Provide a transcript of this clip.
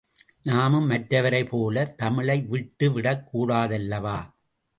நாமும் மற்றவரைப் போலத் தமிழை விட்டு விடக் கூடாதல்லவா?